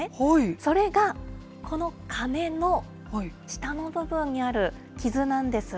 それがこの鐘の下の部分にある傷なんです。